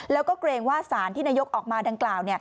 แล้วก็เกรงว่าสารที่นายกออกมาดังกล่าว